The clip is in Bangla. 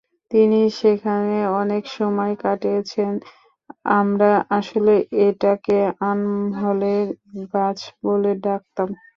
তিনি সেখানে অনেক সময় কাটিয়েছেন, আমরা আসলে এটাকে আমহলে গাছ বলে ডাকতাম।